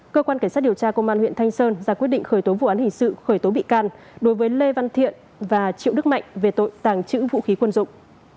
cơ quan cảnh sát điều tra công an huyện thanh sơn ra quyết định khởi tố vụ án hình sự khởi tố bị can đối với lê văn thiện và triệu đức mạnh về tội tàng trữ vũ khí quân dụng